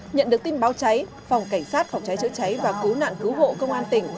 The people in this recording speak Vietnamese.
nhận được tin báo cháy phòng cảnh sát phòng cháy chữa cháy và cứu nạn cứu hộ công an tỉnh